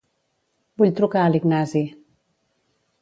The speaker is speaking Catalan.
Vull trucar a l'Ignasi.